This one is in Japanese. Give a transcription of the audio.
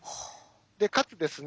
かつですね